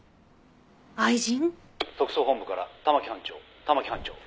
「特捜本部から玉城班長玉城班長」